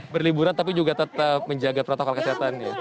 berliburan tapi juga tetap menjaga protokol kesehatan